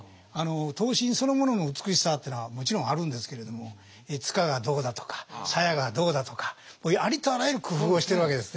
刀身そのものの美しさというのはもちろんあるんですけれども柄がどうだとか鞘がどうだとかありとあらゆる工夫をしているわけですね。